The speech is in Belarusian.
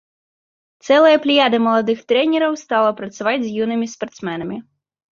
Цэлая плеяда маладых трэнераў стала працаваць з юнымі спартсменамі.